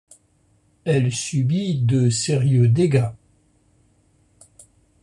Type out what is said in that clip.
Elle subit de sérieux dégâts.